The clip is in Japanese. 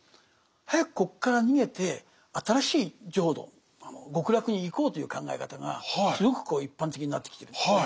早くここから逃げて新しい浄土極楽に行こうという考え方がすごく一般的になってきてるんですね。